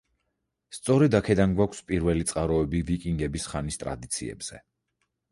სწორედ აქედან გვაქვს პირველი წყაროები ვიკინგების ხანის ტრადიციებზე.